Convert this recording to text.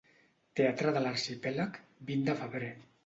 Teatre de l'Arxipèlag, vint de febrer.